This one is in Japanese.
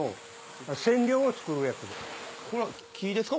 これは木ですか？